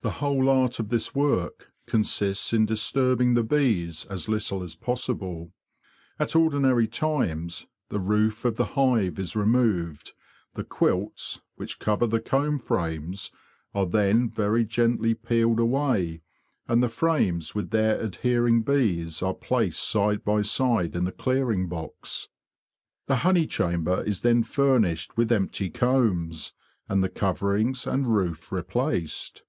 The whole art of this work consists in disturbing the bees as little as possible. At ordinary times the roof of the hive is removed, the "' quilts' which cover the comb frames are then very gently peeled away, and the frames with their adhering bees are placed side by side in the clearing box. The honey chamber is then furnished with empty combs, and the coverings and roof replaced.